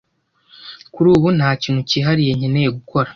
Kuri ubu nta kintu cyihariye nkeneye gukora